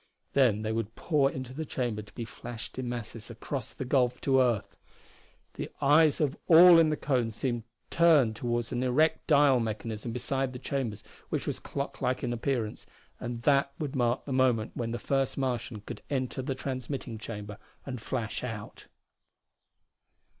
Then they would pour into the chamber to be flashed in masses across the gulf to earth! The eyes of all in the cone seemed turned toward an erect dial mechanism beside the chambers which was clocklike in appearance, and that would mark the moment when the first Martian could enter the transmitting chamber and flash out.